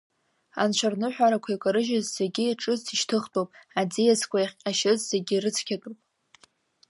Анцәарныҳәарақәа икарыжьыз зегьы ҿыц ишьҭыхтәуп, аӡиасқәа иахҟьашьыз зегьы рыцқьатәуп.